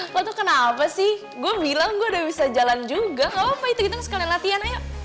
loh kenapa sih gue bilang gue udah bisa jalan juga gak apa apa itu kita sekalian latihan ayo